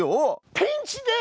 ピンチです！